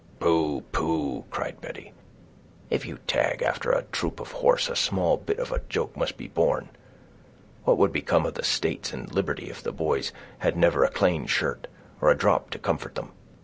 "Pooh! pooh!" cried Betty; "if you tag after a troop of horse, a small bit of a joke must be borne. What would become of the states and liberty, if the boys had never a clane shirt, or a drop to comfort them?